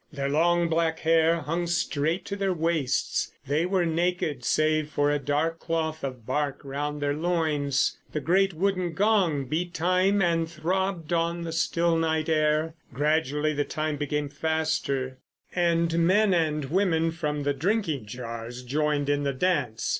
Their long black hair hung straight to their waists, they were naked save for a dark cloth of bark round their loins. The great wooden gong beat time and throbbed on the still night air. Gradually the time became faster, and men and women from the drinking jars joined in the dance.